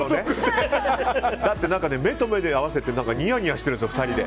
だって目と目で合わせてニヤニヤしてるんですよ、２人で。